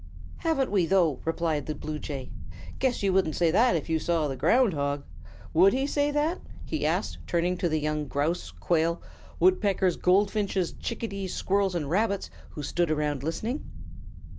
"Haven't we, though?" replied the Blue Jay. "Guess you wouldn't say that if you saw the Ground Hog. Would he say that?" he asked, turning to the young Grouse, Quail, Woodpeckers, Goldfinches, Chickadees, Squirrels, and Rabbits who stood around listening.